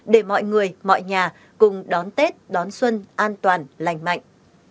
để mọi người mọi nhà cùng đón tết đón xuân an toàn lành mạnh